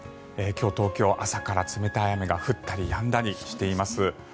今日、東京、朝から冷たい雨が降ったりやんだりしています。